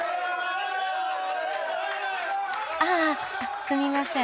ああすみません。